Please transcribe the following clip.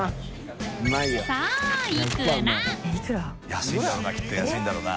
安いんだろうなきっと安いんだろうな。